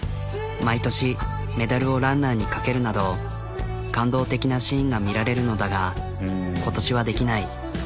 毎年メダルをランナーにかけるなど感動的なシーンが見られるのだが今年はできない。